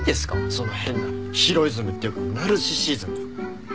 その変なヒロイズムっていうかナルシシズム。